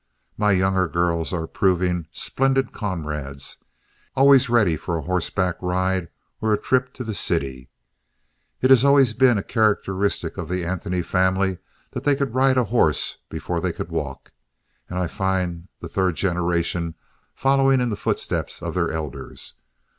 My younger girls are proving splendid comrades, always ready for a horseback ride or a trip to the city. It has always been a characteristic of the Anthony family that they could ride a horse before they could walk, and I find the third generation following in the footsteps of their elders.